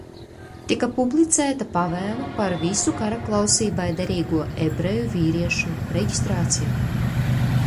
Tika publicēta pavēle par visu karaklausībai derīgo ebreju vīriešu reģistrāciju.